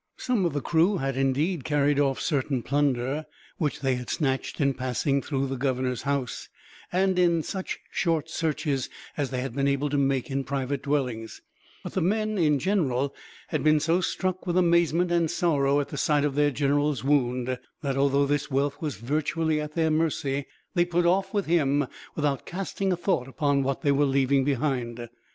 Some of the crew had, indeed, carried off certain plunder, which they had snatched in passing through the governor's house, and in such short searches as they had been able to make in private dwellings; but the men, in general, had been so struck with amazement and sorrow at the sight of their general's wound, that although this wealth was virtually at their mercy, they put off with him without casting a thought upon what they were leaving behind.